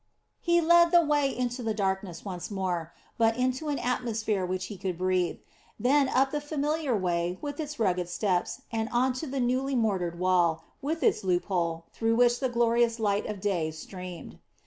He led the way into the darkness once more, but into an atmosphere which he could breathe. Then up the familiar way, with its rugged steps, and on to the newly mortared wall, with its loophole, through which the glorious light of day streamed.